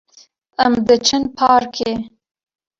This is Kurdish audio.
Em diçin parkê.